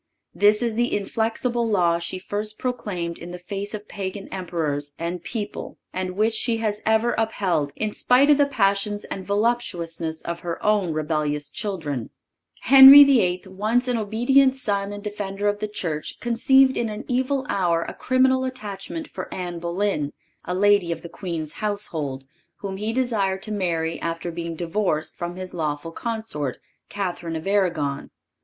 This is the inflexible law she first proclaimed in the face of Pagan Emperors and people and which she has ever upheld, in spite of the passions and voluptuousness of her own rebellious children. Henry VIII., once an obedient son and defender of the Church, conceived in an evil hour, a criminal attachment for Anne Boleyn, a lady of the queen's household, whom he desired to marry after being divorced from his lawful consort, Catherine of Arragon.